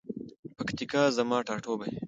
پکتیکا زما ټاټوبی.